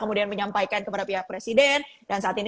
kemudian menyampaikan kepada pihak presiden dan saat ini